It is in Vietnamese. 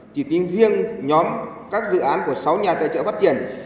chỉ tính riêng nhóm các dự án của sáu nhà tài trợ phát triển